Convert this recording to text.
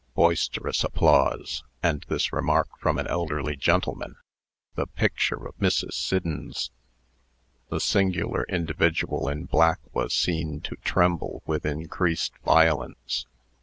(Boisterous applause, and this remark from an elderly gentleman: "The picture of Mrs. Siddons!") The singular individual in black was seen to tremble with increased violence.